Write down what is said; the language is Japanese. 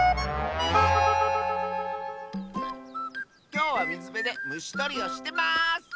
きょうはみずべでむしとりをしてます！